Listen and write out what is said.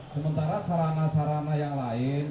sementara sarana sarana yang lain